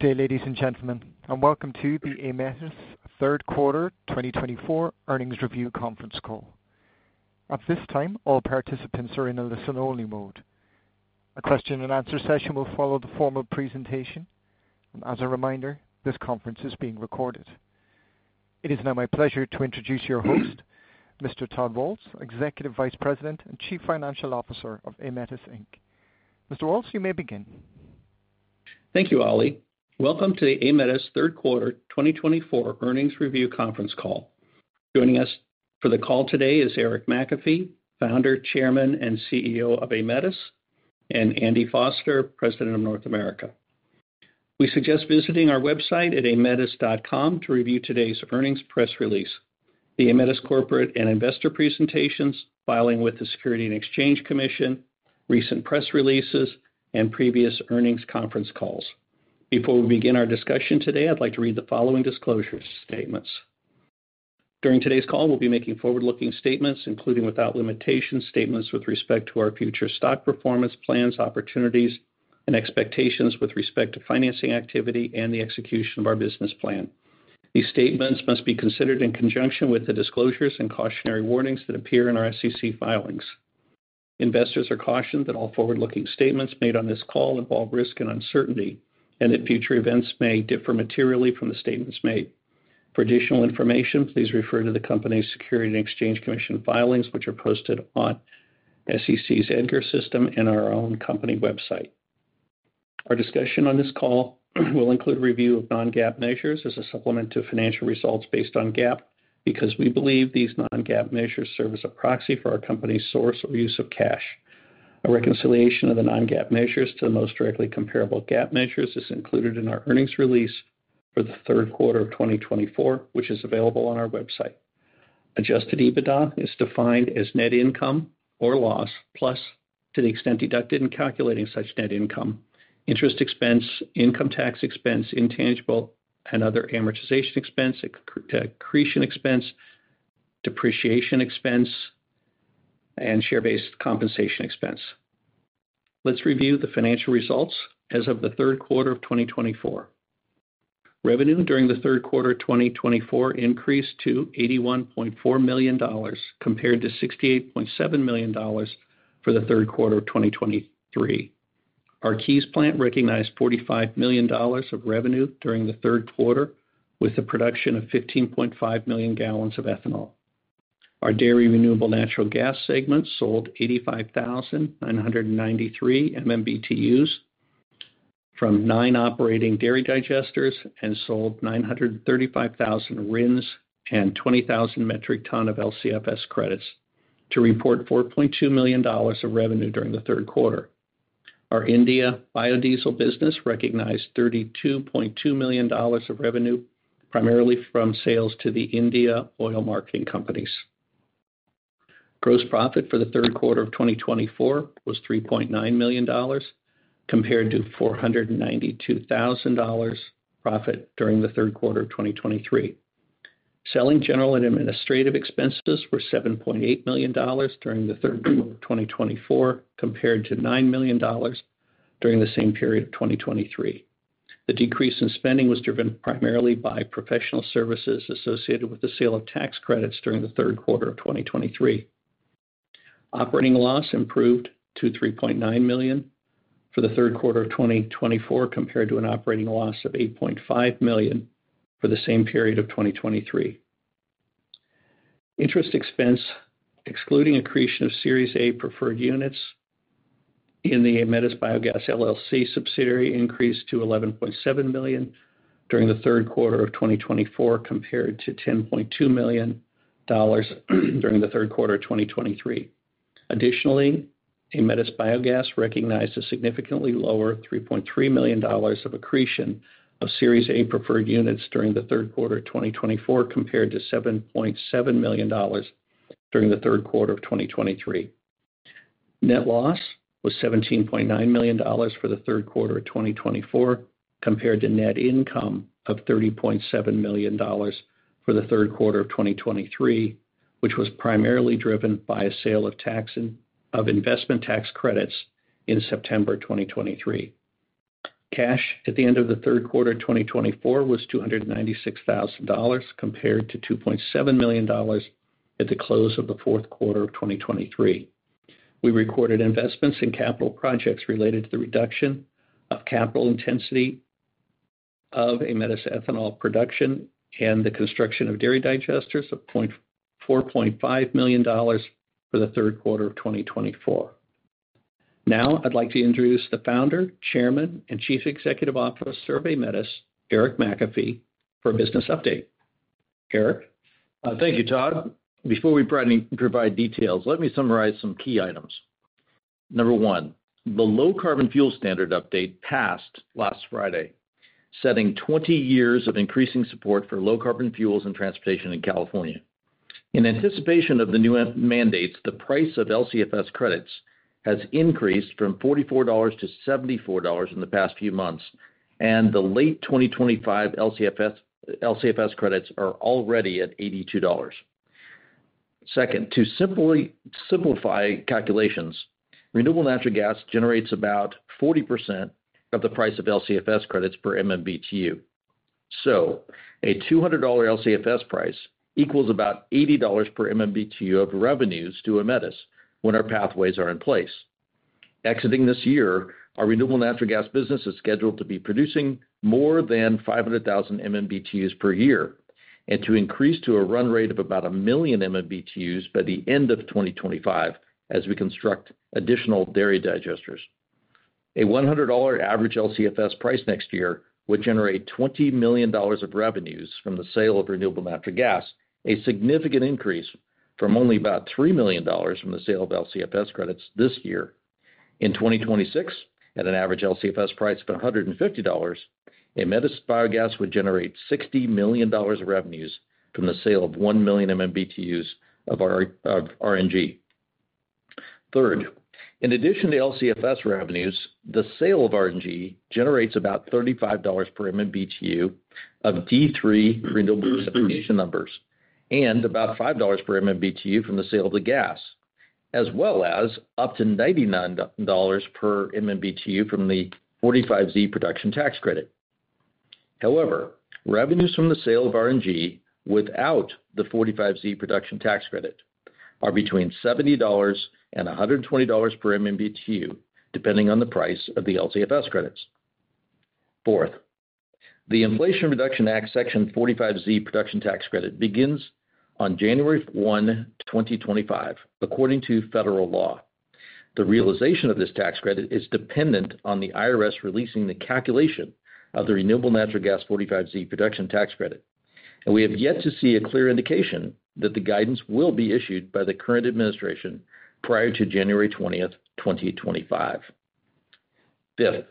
Good day, ladies and gentlemen, and welcome to the Aemetis third quarter 2024 earnings review conference call. At this time, all participants are in a listen-only mode. A question-and-answer session will follow the formal presentation, and as a reminder, this conference is being recorded. It is now my pleasure to introduce your host, Mr. Todd Waltz, Executive Vice President and Chief Financial Officer of Aemetis Inc. Mr. Waltz, you may begin. Thank you, Ali. Welcome to the Aemetis third quarter 2024 earnings review conference call. Joining us for the call today is Eric McAfee, founder, Chairman, and CEO of Aemetis, and Andy Foster, President of North America. We suggest visiting our website at aemetis.com to review today's earnings press release, the Aemetis corporate and investor presentations, filing with the Securities and Exchange Commission, recent press releases, and previous earnings conference calls. Before we begin our discussion today, I'd like to read the following disclosure statements. During today's call, we'll be making forward-looking statements, including without limitations, statements with respect to our future stock performance plans, opportunities, and expectations with respect to financing activity and the execution of our business plan. These statements must be considered in conjunction with the disclosures and cautionary warnings that appear in our SEC filings. Investors are cautioned that all forward-looking statements made on this call involve risk and uncertainty, and that future events may differ materially from the statements made. For additional information, please refer to the company's Securities and Exchange Commission filings, which are posted on SEC's EDGAR System and our own company website. Our discussion on this call will include a review of non-GAAP measures as a supplement to financial results based on GAAP because we believe these non-GAAP measures serve as a proxy for our company's source or use of cash. A reconciliation of the non-GAAP measures to the most directly comparable GAAP measures is included in our earnings release for the third quarter of 2024, which is available on our website. Adjusted EBITDA is defined as net income or loss plus to the extent deducted in calculating such net income, interest expense, income tax expense, intangible, and other amortization expense, accretion expense, depreciation expense, and share-based compensation expense. Let's review the financial results as of the third quarter of 2024. Revenue during the third quarter of 2024 increased to $81.4 million compared to $68.7 million for the third quarter of 2023. Our Keyes plant recognized $45 million of revenue during the third quarter with the production of 15.5 million gallons of ethanol. Our dairy renewable natural gas segment sold 85,993 MMBtu from nine operating dairy digesters and sold 935,000 RINs and 20,000 metric tons of LCFS credits to report $4.2 million of revenue during the third quarter. Our India biodiesel business recognized $32.2 million of revenue primarily from sales to the Indian oil marketing companies. Gross profit for the third quarter of 2024 was $3.9 million compared to $492,000 profit during the third quarter of 2023. Selling, general, and administrative expenses were $7.8 million during the third quarter of 2024 compared to $9 million during the same period of 2023. The decrease in spending was driven primarily by professional services associated with the sale of tax credits during the third quarter of 2023. Operating loss improved to $3.9 million for the third quarter of 2024 compared to an operating loss of $8.5 million for the same period of 2023. Interest expense, excluding accretion of Series A Preferred Units in the Aemetis Biogas LLC subsidiary, increased to $11.7 million during the third quarter of 2024 compared to $10.2 million during the third quarter of 2023. Additionally, Aemetis Biogas recognized a significantly lower $3.3 million of accretion of Series A Preferred Units during the third quarter of 2024 compared to $7.7 million during the third quarter of 2023. Net loss was $17.9 million for the third quarter of 2024 compared to net income of $30.7 million for the third quarter of 2023, which was primarily driven by a sale of investment tax credits in September 2023. Cash at the end of the third quarter of 2024 was $296,000 compared to $2.7 million at the close of the fourth quarter of 2023. We recorded investments in capital projects related to the reduction of capital intensity of Aemetis ethanol production and the construction of dairy digesters of $4.5 million for the third quarter of 2024. Now, I'd like to introduce the Founder, Chairman, and Chief Executive Officer of Aemetis, Eric McAfee, for a business update. Eric. Thank you Todd. Before we provide details, let me summarize some key items. Number one, the Low Carbon Fuel Standard update passed last Friday, setting 20 years of increasing support for low carbon fuels and transportation in California. In anticipation of the new mandates, the price of LCFS credits has increased from $44 to $74 in the past few months, and the late 2025 LCFS credits are already at $82. Second, to simplify calculations, renewable natural gas generates about 40% of the price of LCFS credits per MMBtu. So a $200 LCFS price equals about $80 per MMBtu of revenues to Aemetis when our pathways are in place. Exiting this year, our renewable natural gas business is scheduled to be producing more than 500,000 MMBtus per year and to increase to a run rate of about a million MMBtus by the end of 2025 as we construct additional dairy digesters. A $100 average LCFS price next year would generate $20 million of revenues from the sale of renewable natural gas, a significant increase from only about $3 million from the sale of LCFS credits this year. In 2026, at an average LCFS price of $150, Aemetis Biogas would generate $60 million of revenues from the sale of one million MMBtu of RNG. Third, in addition to LCFS revenues, the sale of RNG generates about $35 per MMBtu of D3 RINs and about $5 per MMBtu from the sale of the gas, as well as up to $99 per MMBtu from the 45Z production tax credit. However, revenues from the sale of RNG without the 45Z production tax credit are between $70 and $120 per MMBtu, depending on the price of the LCFS credits. Fourth, the Inflation Reduction Act Section 45Z production tax credit begins on January 1, 2025, according to federal law. The realization of this tax credit is dependent on the IRS releasing the calculation of the renewable natural gas 45Z production tax credit, and we have yet to see a clear indication that the guidance will be issued by the current administration prior to January 20, 2025. Fifth,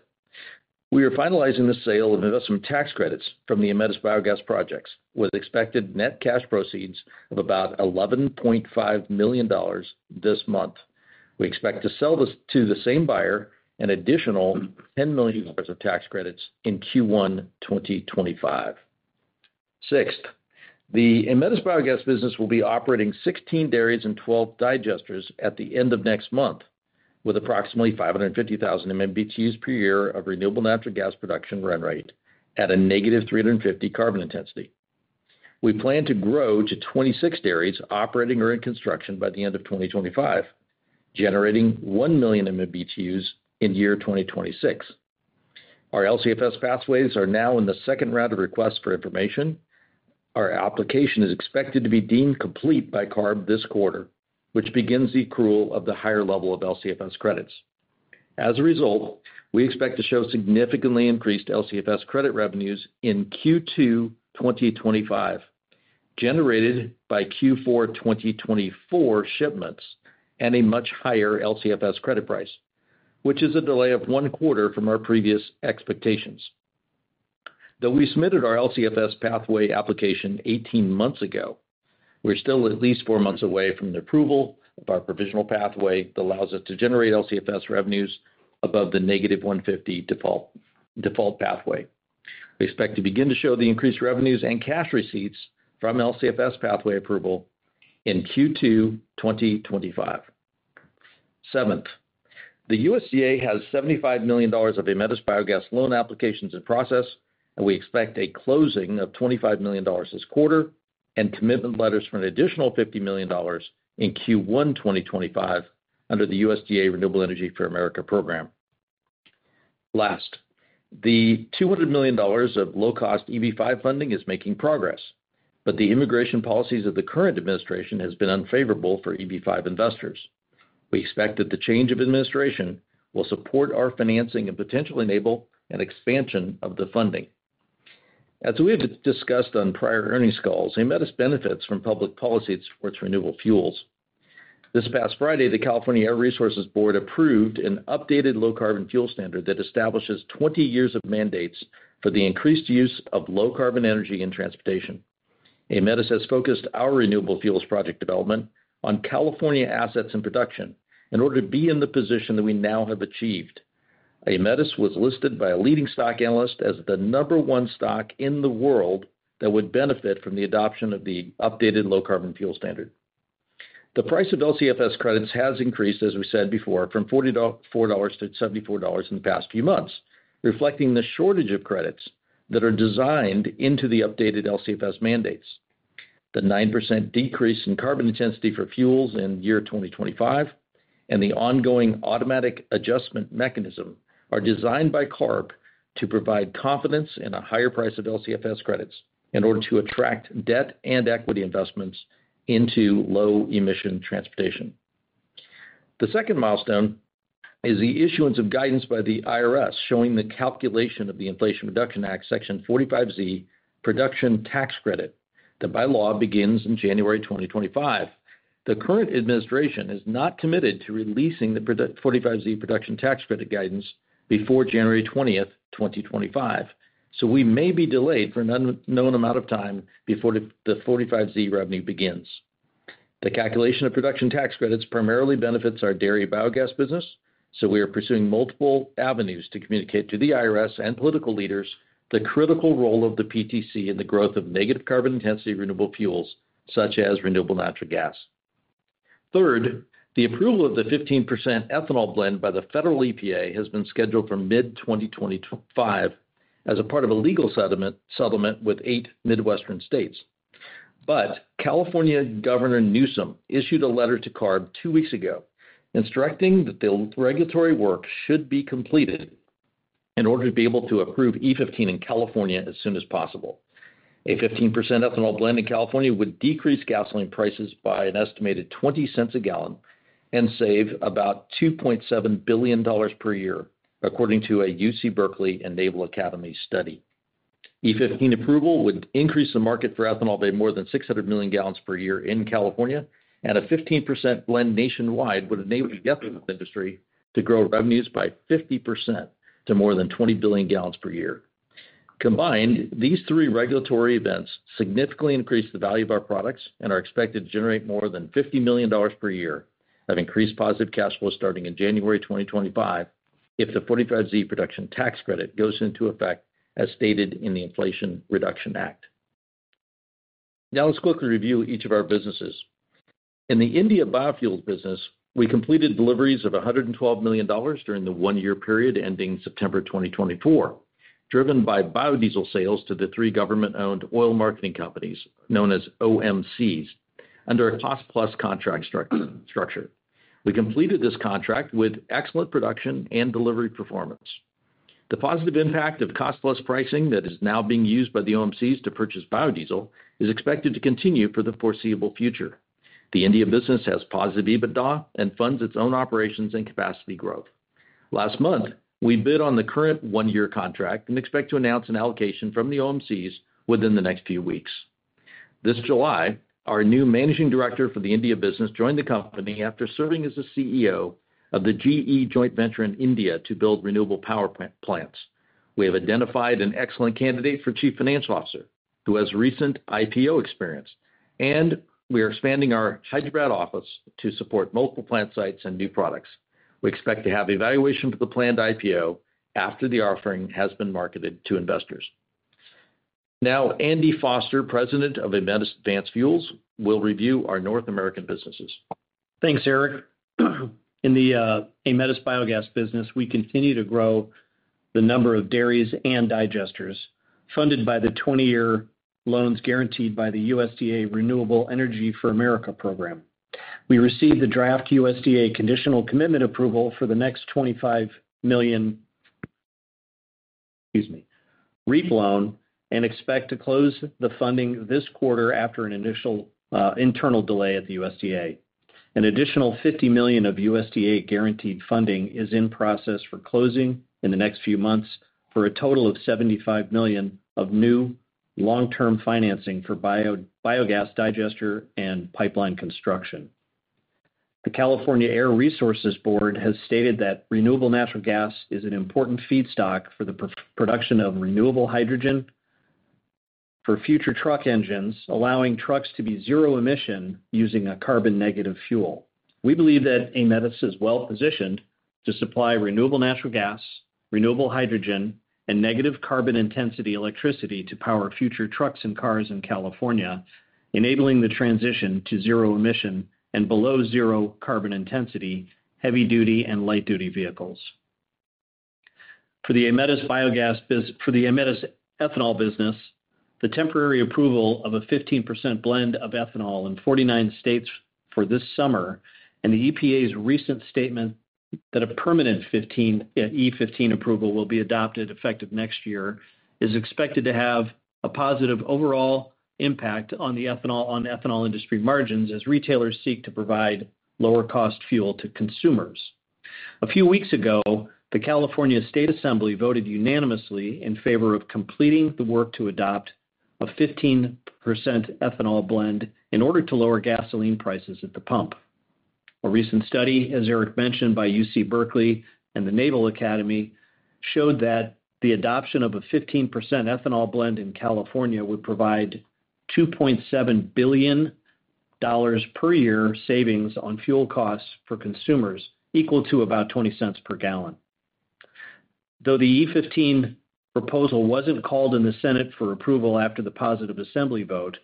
we are finalizing the sale of investment tax credits from the Aemetis Biogas projects with expected net cash proceeds of about $11.5 million this month. We expect to sell this to the same buyer an additional $10 million of tax credits in Q1 2025. Sixth, the Aemetis Biogas business will be operating 16 dairies and 12 digesters at the end of next month with approximately 550,000 MMBTUs per year of renewable natural gas production run rate at a negative 350 carbon intensity. We plan to grow to 26 dairies operating or in construction by the end of 2025, generating one million MMBtu in year 2026. Our LCFS pathways are now in the second round of requests for information. Our application is expected to be deemed complete by CARB this quarter, which begins the accrual of the higher level of LCFS credits. As a result, we expect to show significantly increased LCFS credit revenues in Q2 2025, generated by Q4 2024 shipments and a much higher LCFS credit price, which is a delay of one quarter from our previous expectations. Though we submitted our LCFS pathway application 18 months ago, we're still at least four months away from the approval of our provisional pathway that allows us to generate LCFS revenues above the negative 150 default pathway. We expect to begin to show the increased revenues and cash receipts from LCFS pathway approval in Q2 2025. Seventh, the USDA has $75 million of Aemetis Biogas loan applications in process, and we expect a closing of $25 million this quarter and commitment letters for an additional $50 million in Q1 2025 under the USDA Rural Energy for America Program. Last, the $200 million of low-cost EB-5 funding is making progress, but the immigration policies of the current administration have been unfavorable for EB-5 investors. We expect that the change of administration will support our financing and potentially enable an expansion of the funding. As we have discussed on prior earnings calls, Aemetis benefits from public policy towards renewable fuels. This past Friday, the California Air Resources Board approved an updated Low Carbon Fuel Standard that establishes 20 years of mandates for the increased use of low-carbon energy in transportation. Aemetis has focused our renewable fuels project development on California assets and production in order to be in the position that we now have achieved. Aemetis was listed by a leading stock analyst as the number one stock in the world that would benefit from the adoption of the updated Low Carbon Fuel Standard. The price of LCFS credits has increased, as we said before, from $44 to $74 in the past few months, reflecting the shortage of credits that are designed into the updated LCFS mandates. The 9% decrease in carbon intensity for fuels in year 2025 and the ongoing automatic adjustment mechanism are designed by CARB to provide confidence in a higher price of LCFS credits in order to attract debt and equity investments into low-emission transportation. The second milestone is the issuance of guidance by the IRS showing the calculation of the Inflation Reduction Act Section 45Z production tax credit that by law begins in January 2025. The current administration is not committed to releasing the 45Z production tax credit guidance before January 20, 2025, so we may be delayed for an unknown amount of time before the 45Z revenue begins. The calculation of production tax credits primarily benefits our dairy biogas business, so we are pursuing multiple avenues to communicate to the IRS and political leaders the critical role of the PTC in the growth of negative carbon intensity renewable fuels such as renewable natural gas. Third, the approval of the 15% ethanol blend by the federal EPA has been scheduled for mid-2025 as a part of a legal settlement with eight Midwestern states. California Governor Newsom issued a letter to CARB two weeks ago instructing that the regulatory work should be completed in order to be able to approve E15 in California as soon as possible. A 15% ethanol blend in California would decrease gasoline prices by an estimated $0.20 a gallon and save about $2.7 billion per year, according to a UC Berkeley and Naval Academy study. E15 approval would increase the market for ethanol by more than 600 million gallons per year in California, and a 15% blend nationwide would enable the gasoline industry to grow revenues by 50% to more than 20 billion gallons per year. Combined, these three regulatory events significantly increase the value of our products and are expected to generate more than $50 million per year of increased positive cash flow starting in January 2025 if the 45Z production tax credit goes into effect as stated in the Inflation Reduction Act. Now, let's quickly review each of our businesses. In the India biofuels business, we completed deliveries of $112 million during the one-year period ending September 2024, driven by biodiesel sales to the three government-owned oil marketing companies known as OMCs under a cost-plus contract structure. We completed this contract with excellent production and delivery performance. The positive impact of cost-plus pricing that is now being used by the OMCs to purchase biodiesel is expected to continue for the foreseeable future. The India business has positive EBITDA and funds its own operations and capacity growth. Last month, we bid on the current one-year contract and expect to announce an allocation from the OMCs within the next few weeks. This July, our new managing director for the India business joined the company after serving as the CEO of the GE Joint Venture in India to build renewable power plants. We have identified an excellent candidate for Chief Financial Officer who has recent IPO experience, and we are expanding our Hyderabad office to support multiple plant sites and new products. We expect to have evaluation for the planned IPO after the offering has been marketed to investors. Now, Andy Foster, President of Aemetis Advanced Fuels, will review our North American businesses. Thanks Eric. In the Aemetis Biogas business, we continue to grow the number of dairies and digesters funded by the 20-year loans guaranteed by the USDA Rural Energy for America Program. We received the draft USDA conditional commitment approval for the next $25 million REAP loan and expect to close the funding this quarter after an initial internal delay at the USDA. An additional $50 million of USDA guaranteed funding is in process for closing in the next few months for a total of $75 million of new long-term financing for biogas digester and pipeline construction. The California Air Resources Board has stated that renewable natural gas is an important feedstock for the production of renewable hydrogen for future truck engines, allowing trucks to be zero-emission using a carbon-negative fuel. We believe that Aemetis is well-positioned to supply renewable natural gas, renewable hydrogen, and negative carbon-intensity electricity to power future trucks and cars in California, enabling the transition to zero-emission and below-zero carbon-intensity heavy-duty and light-duty vehicles. For the Aemetis ethanol business, the temporary approval of a 15% blend of ethanol in 49 states for this summer and the EPA's recent statement that a permanent E15 approval will be adopted effective next year is expected to have a positive overall impact on the ethanol industry margins as retailers seek to provide lower-cost fuel to consumers. A few weeks ago, the California State Assembly voted unanimously in favor of completing the work to adopt a 15% ethanol blend in order to lower gasoline prices at the pump. A recent study, as Eric mentioned, by UC Berkeley and the Naval Academy showed that the adoption of a 15% ethanol blend in California would provide $2.7 billion per year savings on fuel costs for consumers, equal to about 20 cents per gallon. Though the E15 proposal wasn't called in the Senate for approval after the positive assembly vote,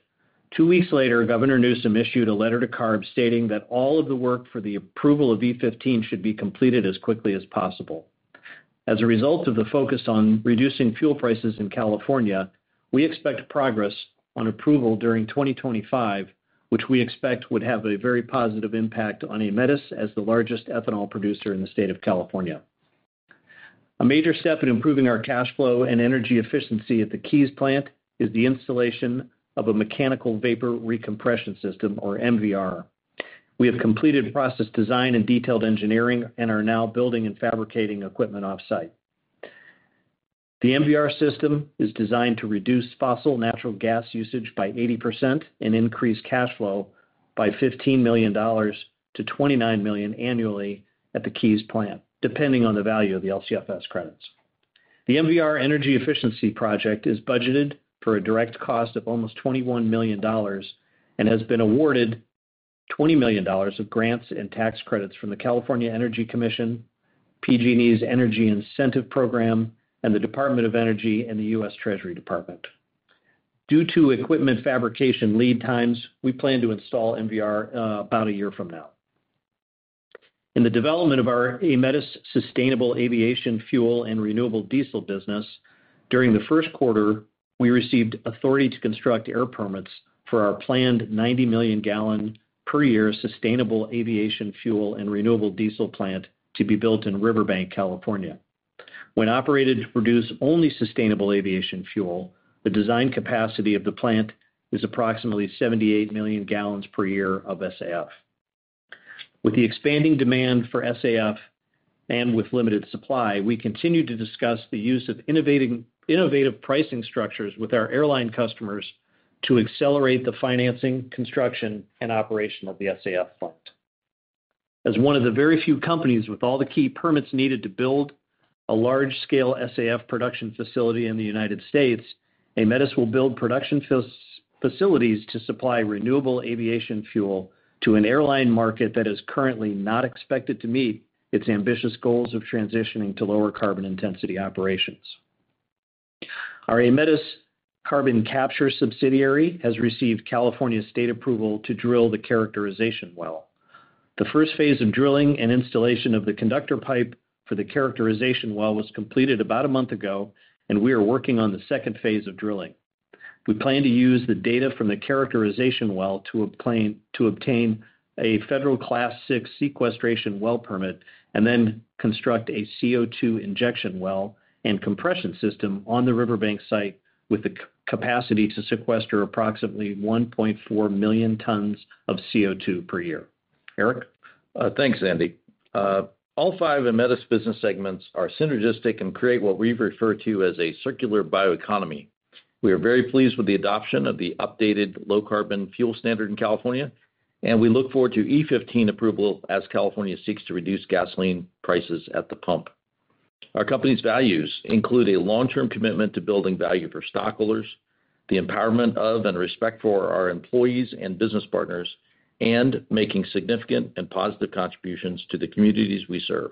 two weeks later, Governor Newsom issued a letter to CARB stating that all of the work for the approval of E15 should be completed as quickly as possible. As a result of the focus on reducing fuel prices in California, we expect progress on approval during 2025, which we expect would have a very positive impact on Aemetis as the largest ethanol producer in the state of California. A major step in improving our cash flow and energy efficiency at the Keyes plant is the installation of a mechanical vapor recompression system, or MVR. We have completed process design and detailed engineering and are now building and fabricating equipment off-site. The MVR system is designed to reduce fossil natural gas usage by 80% and increase cash flow by $15 million to $29 million annually at the Keyes plant, depending on the value of the LCFS credits. The MVR energy efficiency project is budgeted for a direct cost of almost $21 million and has been awarded $20 million of grants and tax credits from the California Energy Commission, PG&E's energy incentive program, and the Department of Energy and the U.S. Department of the Treasury. Due to equipment fabrication lead times, we plan to install MVR about a year from now. In the development of our Aemetis sustainable aviation fuel and renewable diesel business, during the first quarter, we received authority to construct air permits for our planned 90 million gallon per year sustainable aviation fuel and renewable diesel plant to be built in Riverbank, California. When operated to produce only sustainable aviation fuel, the design capacity of the plant is approximately 78 million gallons per year of SAF. With the expanding demand for SAF and with limited supply, we continue to discuss the use of innovative pricing structures with our airline customers to accelerate the financing, construction, and operation of the SAF plant. As one of the very few companies with all the key permits needed to build a large-scale SAF production facility in the United States, Aemetis will build production facilities to supply renewable aviation fuel to an airline market that is currently not expected to meet its ambitious goals of transitioning to lower carbon intensity operations. Our Aemetis Carbon Capture subsidiary has received California state approval to drill the characterization well. The first phase of drilling and installation of the conductor pipe for the characterization well was completed about a month ago, and we are working on the second phase of drilling. We plan to use the data from the characterization well to obtain a federal Class VI sequestration well permit and then construct a CO2 injection well and compression system on the Riverbank site with the capacity to sequester approximately 1.4 million tons of CO2 per year. Eric? Thanks Andy. All five Aemetis business segments are synergistic and create what we refer to as a circular bioeconomy. We are very pleased with the adoption of the updated Low Carbon Fuel standard in California, and we look forward to E15 approval as California seeks to reduce gasoline prices at the pump. Our company's values include a long-term commitment to building value for stockholders, the empowerment of and respect for our employees and business partners, and making significant and positive contributions to the communities we serve.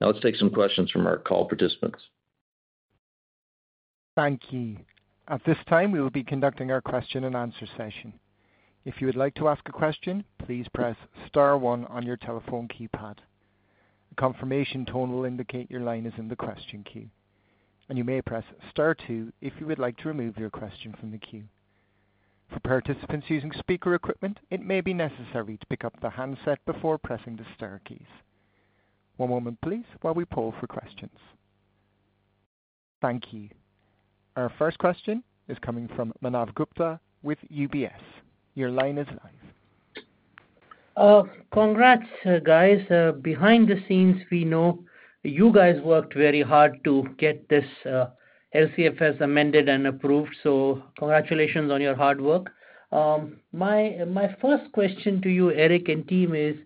Now, let's take some questions from our call participants. Thank you. At this time, we will be conducting our question-and-answer session. If you would like to ask a question, please press star one on your telephone keypad. A confirmation tone will indicate your line is in the question queue, and you may press star two if you would like to remove your question from the queue. For participants using speaker equipment, it may be necessary to pick up the handset before pressing the Star keys. One moment, please, while we poll for questions. Thank you. Our first question is coming from Manav Gupta with UBS. Your line is live. Congrats, guys. Behind the scenes, we know you guys worked very hard to get this LCFS amended and approved, so congratulations on your hard work. My first question to you, Eric and team, is,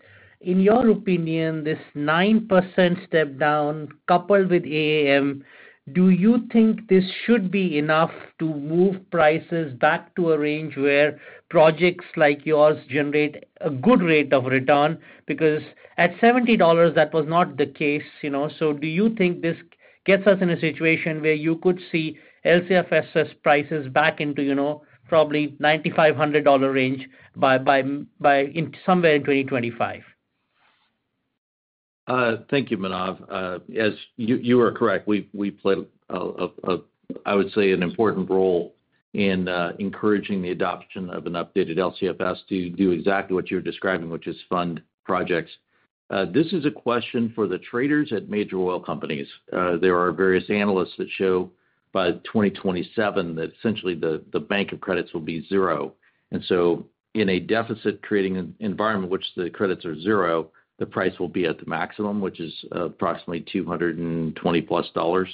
in your opinion, this 9% step down coupled with AAM, do you think this should be enough to move prices back to a range where projects like yours generate a good rate of return? Because at $70, that was not the case. So do you think this gets us in a situation where you could see LCFS prices back into probably $9,500 range somewhere in 2025? Thank you Manav. As you are correct, we play, I would say, an important role in encouraging the adoption of an updated LCFS to do exactly what you're describing, which is fund projects. This is a question for the traders at major oil companies. There are various analysts that show by 2027 that essentially the bank of credits will be zero. And so in a deficit-creating environment, which the credits are zero, the price will be at the maximum, which is approximately $220+.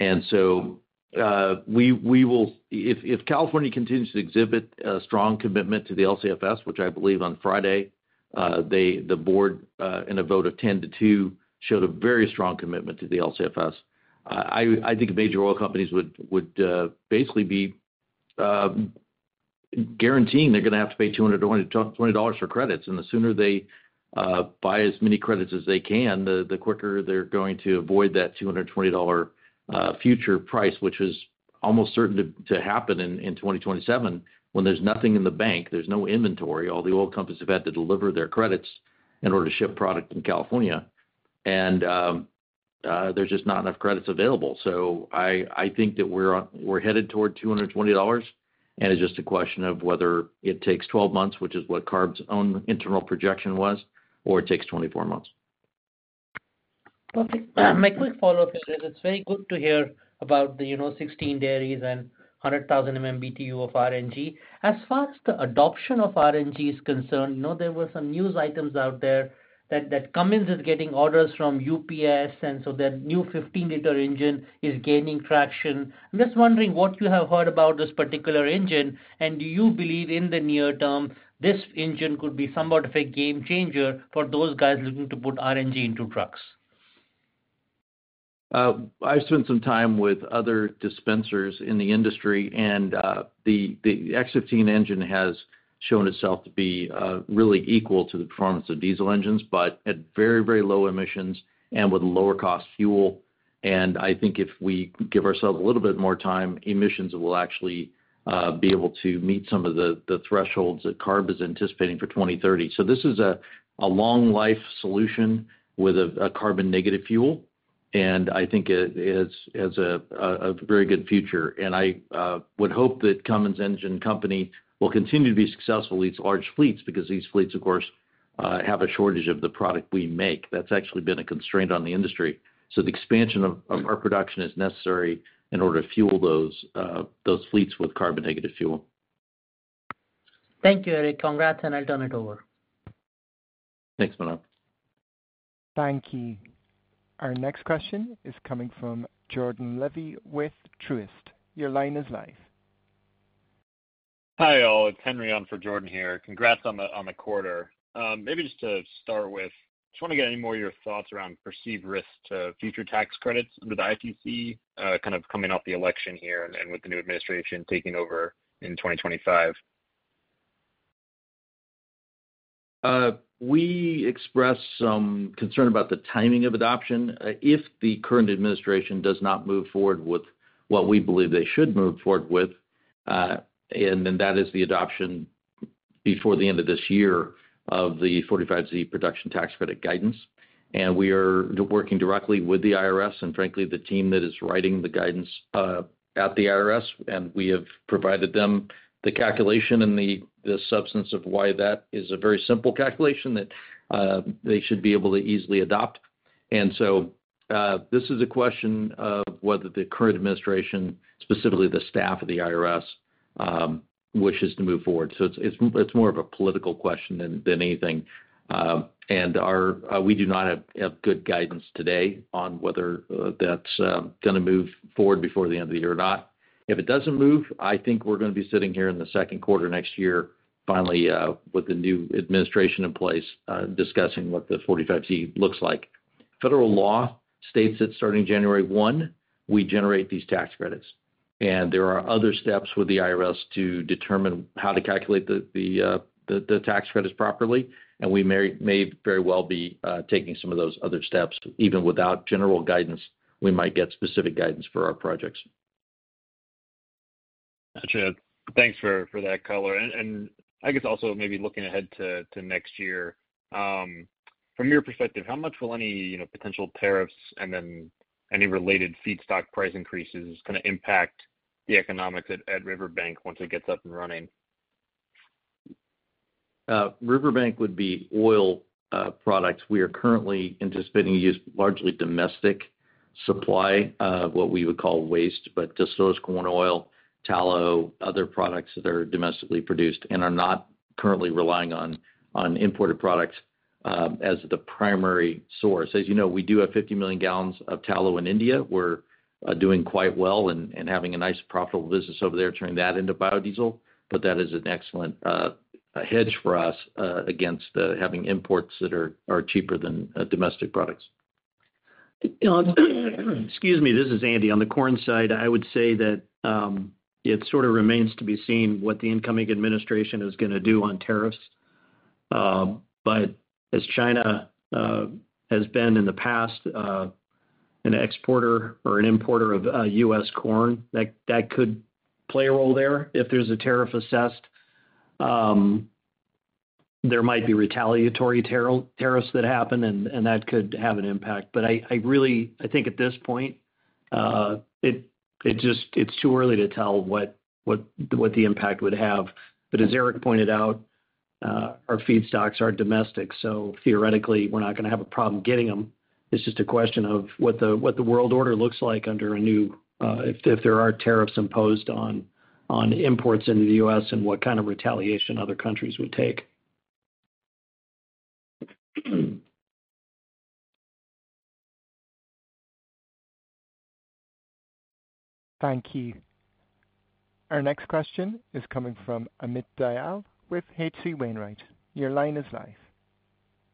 And so if California continues to exhibit a strong commitment to the LCFS, which I believe on Friday, the board in a vote of 10 to 2 showed a very strong commitment to the LCFS, I think major oil companies would basically be guaranteeing they're going to have to pay $220 for credits. And the sooner they buy as many credits as they can, the quicker they're going to avoid that $220 future price, which is almost certain to happen in 2027 when there's nothing in the bank, there's no inventory. All the oil companies have had to deliver their credits in order to ship product in California, and there's just not enough credits available. So I think that we're headed toward $220, and it's just a question of whether it takes 12 months, which is what CARB's own internal projection was, or it takes 24 months. Perfect. My quick follow-up here is it's very good to hear about the 16 dairies and 100,000 MMBTU of R&G. As far as the adoption of R&G is concerned, there were some news items out there that come in with getting orders from UPS, and so the new 15-liter engine is gaining traction. I'm just wondering what you have heard about this particular engine, and do you believe in the near term this engine could be somewhat of a game changer for those guys looking to put R&G into trucks? I've spent some time with other dispensers in the industry, and the X15 engine has shown itself to be really equal to the performance of diesel engines, but at very, very low emissions and with lower-cost fuel. And I think if we give ourselves a little bit more time, emissions will actually be able to meet some of the thresholds that CARB is anticipating for 2030. So this is a long-life solution with a carbon-negative fuel, and I think it has a very good future. And I would hope that Cummins Engine Company will continue to be successful with these large fleets because these fleets, of course, have a shortage of the product we make. That's actually been a constraint on the industry. So the expansion of our production is necessary in order to fuel those fleets with carbon-negative fuel. Thank you Eric. Congrats, and I'll turn it over. Thanks, Manav. Thank you. Our next question is coming from Jordan Levy with Truist. Your line is live. Hi all. It's Henry on for Jordan here. Congrats on the quarter. Maybe just to start with, I just want to get any more of your thoughts around perceived risk to future tax credits under the ITC, kind of coming off the election here and with the new administration taking over in 2025. We express some concern about the timing of adoption. If the current administration does not move forward with what we believe they should move forward with, and then that is the adoption before the end of this year of the 45Z production tax credit guidance, and we are working directly with the IRS and, frankly, the team that is writing the guidance at the IRS, and we have provided them the calculation and the substance of why that is a very simple calculation that they should be able to easily adopt, and so this is a question of whether the current administration, specifically the staff of the IRS, wishes to move forward, so it's more of a political question than anything, and we do not have good guidance today on whether that's going to move forward before the end of the year or not. If it doesn't move, I think we're going to be sitting here in the second quarter next year, finally, with the new administration in place, discussing what the 45Z looks like. Federal law states that starting January 1, we generate these tax credits. And there are other steps with the IRS to determine how to calculate the tax credits properly. And we may very well be taking some of those other steps. Even without general guidance, we might get specific guidance for our projects. Gotcha. Thanks for that, caller. And I guess also maybe looking ahead to next year, from your perspective, how much will any potential tariffs and then any related feedstock price increases kind of impact the economics at Riverbank once it gets up and running? Riverbank would be oil products. We are currently anticipating to use largely domestic supply of what we would call waste, but disposable corn oil, tallow, other products that are domestically produced and are not currently relying on imported products as the primary source. As you know, we do have 50 million gallons of tallow in India. We're doing quite well and having a nice profitable business over there turning that into biodiesel, but that is an excellent hedge for us against having imports that are cheaper than domestic products. Excuse me, this is Andy. On the corn side, I would say that it sort of remains to be seen what the incoming administration is going to do on tariffs. But as China has been in the past an exporter or an importer of U.S. corn, that could play a role there. If there's a tariff assessed, there might be retaliatory tariffs that happen, and that could have an impact. But I think at this point, it's too early to tell what the impact would have. But as Eric pointed out, our feedstocks are domestic, so theoretically, we're not going to have a problem getting them. It's just a question of what the world order looks like under a new, if there are tariffs imposed on imports into the U.S., and what kind of retaliation other countries would take. Thank you. Our next question is coming from Amit Dayal with H.C. Wainwright. Your line is live.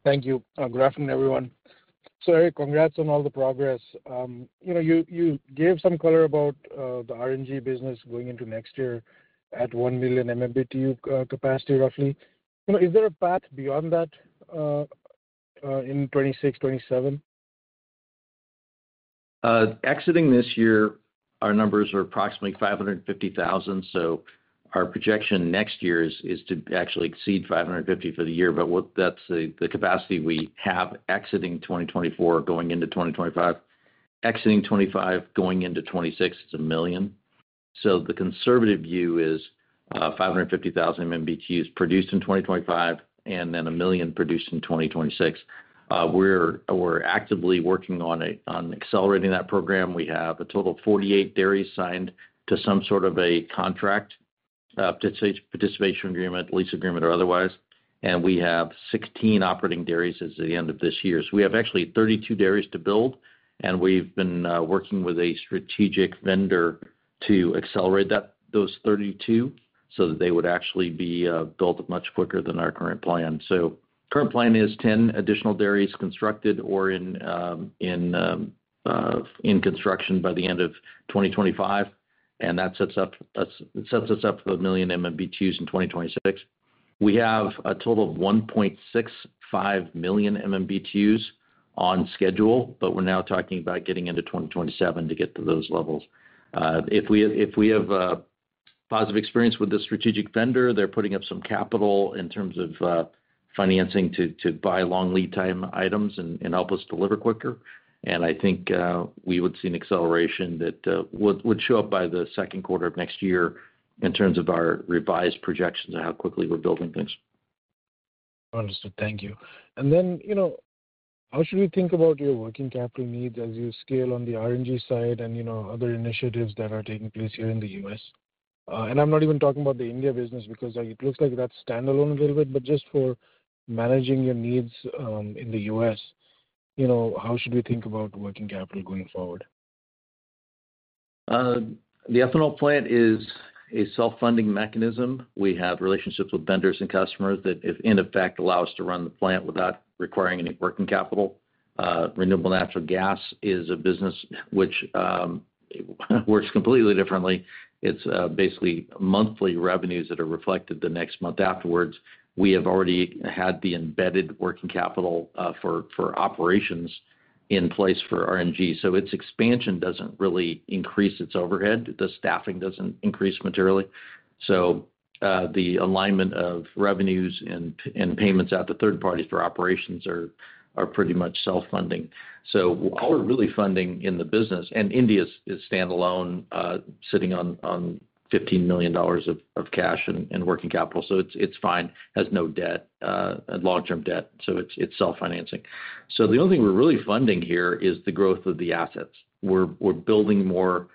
Thank you. Good afternoon, everyone. So Eric, congrats on all the progress. You gave some color about the RNG business going into next year at 1 million MMBtu capacity, roughly. Is there a path beyond that in 2026, 2027? Exiting this year, our numbers are approximately 550,000. So our projection next year is to actually exceed 550 for the year. But that's the capacity we have exiting 2024, going into 2025. Exiting 2025, going into 2026, it's a million. So the conservative view is 550,000 MMBtu produced in 2025 and then a million produced in 2026. We're actively working on accelerating that program. We have a total of 48 dairies signed to some sort of a contract, participation agreement, lease agreement, or otherwise. And we have 16 operating dairies as of the end of this year. So we have actually 32 dairies to build, and we've been working with a strategic vendor to accelerate those 32 so that they would actually be built much quicker than our current plan. So current plan is 10 additional dairies constructed or in construction by the end of 2025. And that sets us up for 1 million MMBtu in 2026. We have a total of 1.65 million MMBtu on schedule, but we're now talking about getting into 2027 to get to those levels. If we have a positive experience with the strategic vendor, they're putting up some capital in terms of financing to buy long lead time items and help us deliver quicker. And I think we would see an acceleration that would show up by the second quarter of next year in terms of our revised projections of how quickly we're building things. Understood. Thank you. And then how should we think about your working capital needs as you scale on the RNG side and other initiatives that are taking place here in the U.S.? And I'm not even talking about the India business because it looks like that's standalone a little bit, but just for managing your needs in the U.S., how should we think about working capital going forward? The ethanol plant is a self-funding mechanism. We have relationships with vendors and customers that, in effect, allow us to run the plant without requiring any working capital. Renewable natural gas is a business which works completely differently. It's basically monthly revenues that are reflected the next month afterwards. We have already had the embedded working capital for operations in place for RNG. So its expansion doesn't really increase its overhead. The staffing doesn't increase materially. So the alignment of revenues and payments out to third parties for operations are pretty much self-funding. So all we're really funding in the business, and India is standalone, sitting on $15 million of cash and working capital. So it's fine. It has no debt, long-term debt. So it's self-financing. So the only thing we're really funding here is the growth of the assets. We're building more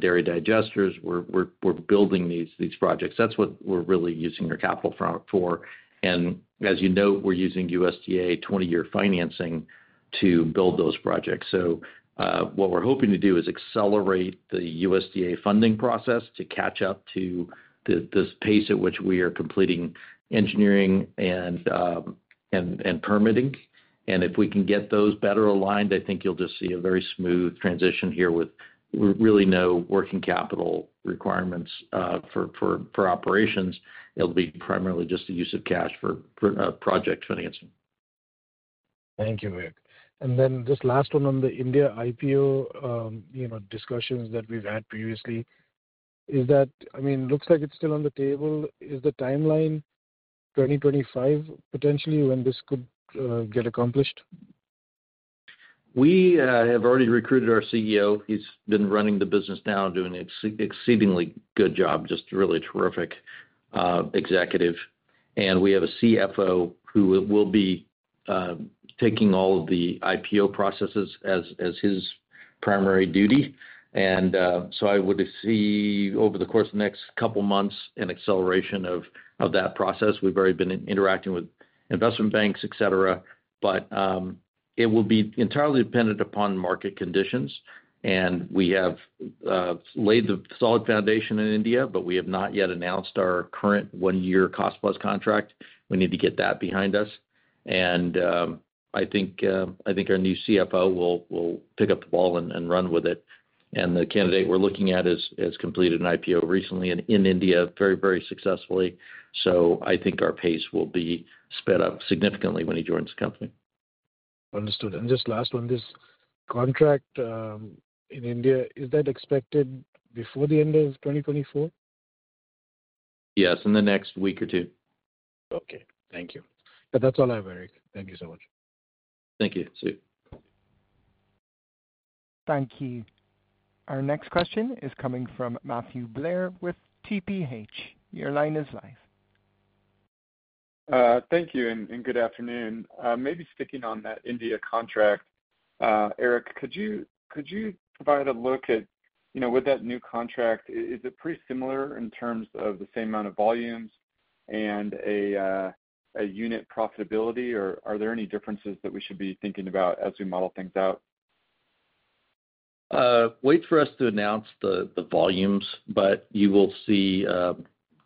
dairy digesters. We're building these projects. That's what we're really using our capital for, and as you know, we're using USDA 20-year financing to build those projects, so what we're hoping to do is accelerate the USDA funding process to catch up to the pace at which we are completing engineering and permitting, and if we can get those better aligned, I think you'll just see a very smooth transition here with really no working capital requirements for operations. It'll be primarily just the use of cash for project financing. Thank you, Eric. And then just last one on the India IPO discussions that we've had previously. I mean, it looks like it's still on the table. Is the timeline 2025 potentially when this could get accomplished? We have already recruited our CEO. He's been running the business now, doing an exceedingly good job, just a really terrific executive. And we have a CFO who will be taking all of the IPO processes as his primary duty. And so I would see over the course of the next couple of months an acceleration of that process. We've already been interacting with investment banks, etc. But it will be entirely dependent upon market conditions. And we have laid the solid foundation in India, but we have not yet announced our current one-year cost plus contract. We need to get that behind us. And I think our new CFO will pick up the ball and run with it. And the candidate we're looking at has completed an IPO recently in India, very, very successfully. So I think our pace will be sped up significantly when he joins the company. Understood, and just last one, this contract in India, is that expected before the end of 2024? Yes, in the next week or two. Okay. Thank you. That's all I have, Eric. Thank you so much. Thank you. See you. Thank you. Our next question is coming from Matthew Blair with TPH. Your line is live. Thank you and good afternoon. Maybe sticking on that India contract, Eric, could you provide a look at with that new contract, is it pretty similar in terms of the same amount of volumes and a unit profitability, or are there any differences that we should be thinking about as we model things out? Wait for us to announce the volumes, but you will see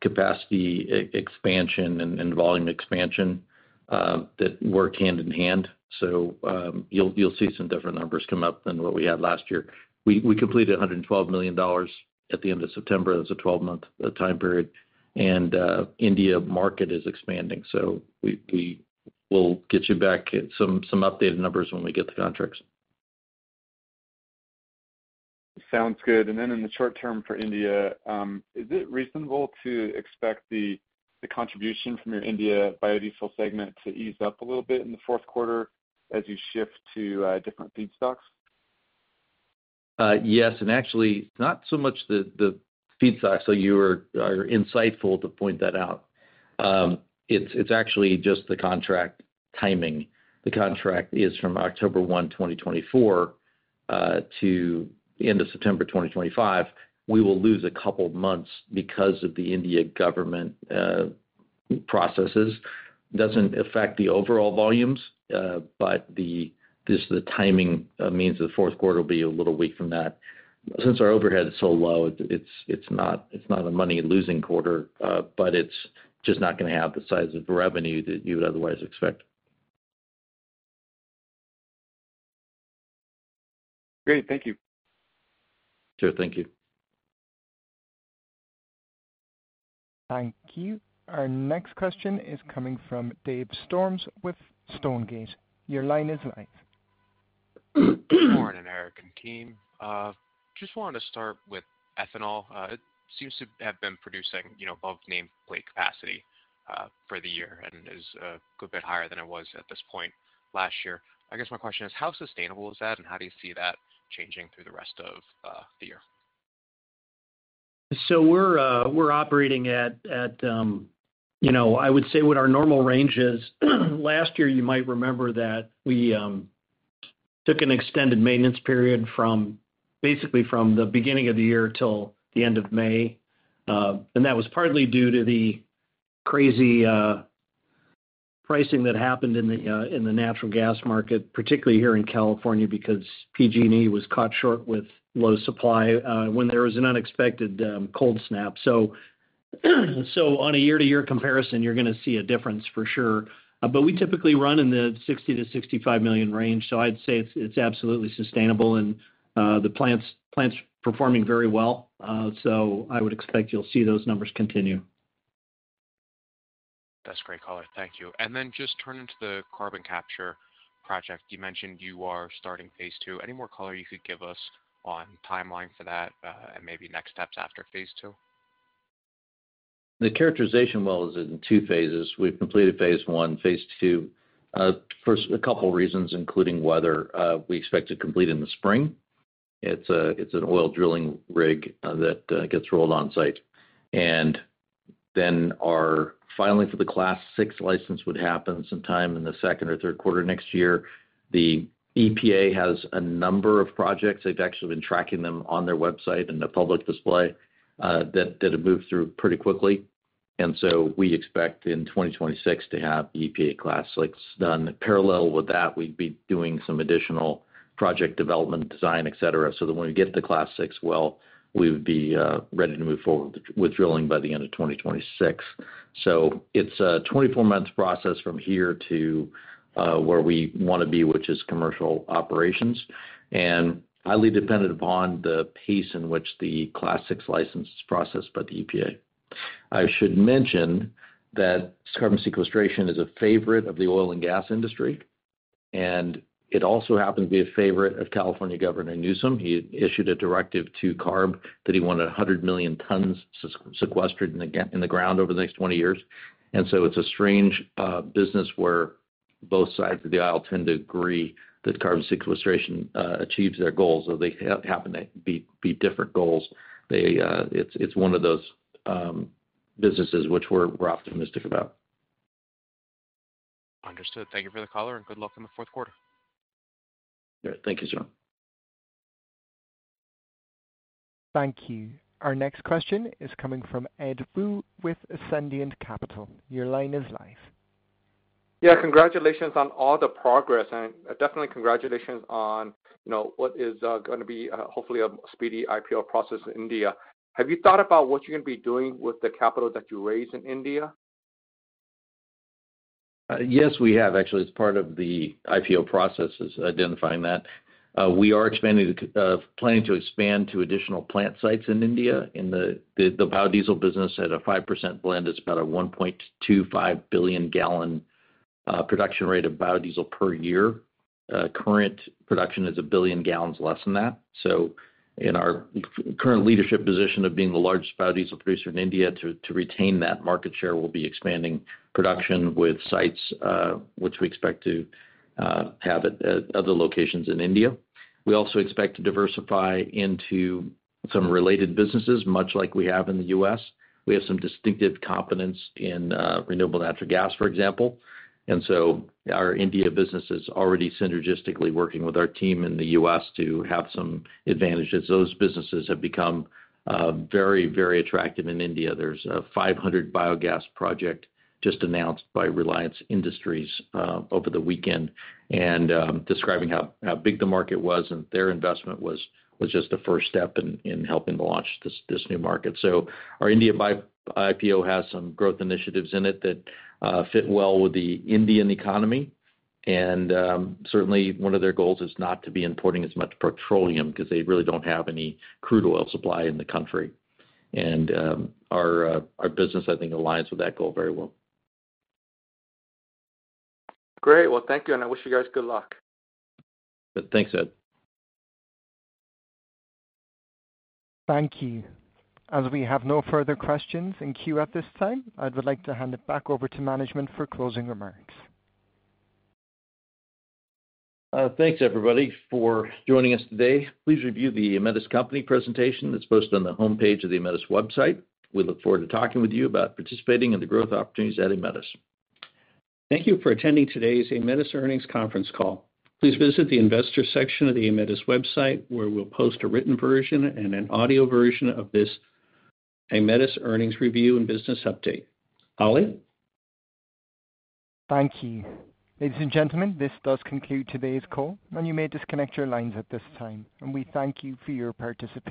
capacity expansion and volume expansion that work hand in hand. So you'll see some different numbers come up than what we had last year. We completed $112 million at the end of September. That's a 12-month time period, and India market is expanding, so we will get you back some updated numbers when we get the contracts. Sounds good. And then in the short term for India, is it reasonable to expect the contribution from your India biodiesel segment to ease up a little bit in the fourth quarter as you shift to different feedstocks? Yes. And actually, it's not so much the feedstocks. So you are insightful to point that out. It's actually just the contract timing. The contract is from October 1, 2024, to the end of September 2025. We will lose a couple of months because of the India government processes. It doesn't affect the overall volumes, but just the timing means that the fourth quarter will be a little weak from that. Since our overhead is so low, it's not a money-losing quarter, but it's just not going to have the size of revenue that you would otherwise expect. Great. Thank you. Sure. Thank you. Thank you. Our next question is coming from Dave Storms with Stonegate. Your line is live. Good morning, Eric and team. Just wanted to start with ethanol. It seems to have been producing above nameplate capacity for the year and is a good bit higher than it was at this point last year. I guess my question is, how sustainable is that, and how do you see that changing through the rest of the year? We're operating at, I would say, what our normal range is. Last year, you might remember that we took an extended maintenance period basically from the beginning of the year till the end of May. That was partly due to the crazy pricing that happened in the natural gas market, particularly here in California, because PG&E was caught short with low supply when there was an unexpected cold snap. On a year-to-year comparison, you're going to see a difference for sure. We typically run in the 60-65 million range. I'd say it's absolutely sustainable, and the plant's performing very well. I would expect you'll see those numbers continue. That's great, caller. Thank you. And then just turning to the carbon capture project, you mentioned you are starting phase two. Any more color you could give us on timeline for that and maybe next steps after phase two? The characterization well is in two phases. We've completed phase one. Phase two, for a couple of reasons including weather. We expect to complete in the spring. It's an oil drilling rig that gets rolled on site, and then our filing for the Class VI license would happen sometime in the second or third quarter next year. The EPA has a number of projects. They've actually been tracking them on their website and a public display that have moved through pretty quickly, and so we expect in 2026 to have the EPA Class VI done. Parallel with that, we'd be doing some additional project development, design, etc., so that when we get the Class VI well, we would be ready to move forward with drilling by the end of 2026, so it's a 24-month process from here to where we want to be, which is commercial operations. is highly dependent upon the pace in which the Class VI license is processed by the EPA. I should mention that carbon sequestration is a favorite of the oil and gas industry. It also happens to be a favorite of California Governor Newsom. He issued a directive to CARB that he wanted 100 million tons sequestered in the ground over the next 20 years. It is a strange business where both sides of the aisle tend to agree that carbon sequestration achieves their goals. They happen to be different goals. It is one of those businesses which we're optimistic about. Understood. Thank you for the caller, and good luck in the fourth quarter. All right. Thank you, sir. Thank you. Our next question is coming from Ed Woo with Ascendiant Capital Markets. Your line is live. Yeah. Congratulations on all the progress, and definitely congratulations on what is going to be hopefully a speedy IPO process in India. Have you thought about what you're going to be doing with the capital that you raise in India? Yes, we have, actually. It's part of the IPO process is identifying that. We are planning to expand to additional plant sites in India. The biodiesel business at a 5% blend is about a 1.25-billion-gallon production rate of biodiesel per year. Current production is a billion gallons less than that. So in our current leadership position of being the largest biodiesel producer in India, to retain that market share, we'll be expanding production with sites which we expect to have at other locations in India. We also expect to diversify into some related businesses, much like we have in the U.S. We have some distinctive competence in renewable natural gas, for example. And so our India business is already synergistically working with our team in the U.S. to have some advantages. Those businesses have become very, very attractive in India. There's a 500 biogas project just announced by Reliance Industries over the weekend and describing how big the market was. And their investment was just the first step in helping to launch this new market. So our India IPO has some growth initiatives in it that fit well with the Indian economy. And certainly, one of their goals is not to be importing as much petroleum because they really don't have any crude oil supply in the country. And our business, I think, aligns with that goal very well. Great. Well, thank you. And I wish you guys good luck. Thanks Ed. Thank you. As we have no further questions in queue at this time, I'd like to hand it back over to management for closing remarks. Thanks, everybody, for joining us today. Please review the Aemetis Company presentation that's posted on the homepage of the Aemetis website. We look forward to talking with you about participating in the growth opportunities at Aemetis. Thank you for attending today's Aemetis earnings conference call. Please visit the investor section of the Aemetis website where we'll post a written version and an audio version of this Aemetis Earnings Review and Business Update. Ali? Thank you. Ladies and gentlemen, this does conclude today's call, and you may disconnect your lines at this time, and we thank you for your participation.